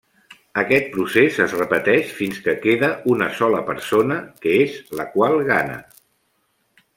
Aquest procés es repeteix fins que queda una sola persona, que és la qual gana.